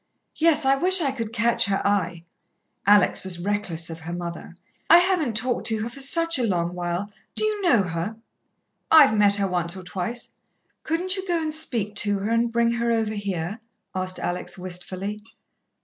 "Yes. I wish I could catch her eye." Alex was reckless of her mother. "I haven't talked to her for such a long while. Do you know her?" "I've met her once or twice." "Couldn't you go and speak to her, and bring her over here?" asked Alex wistfully.